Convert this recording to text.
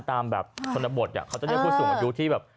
ตามคนบทเขาเรียกคุณสูงอายุที่แบบ